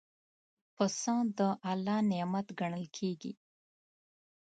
پسه د الله نعمت ګڼل کېږي.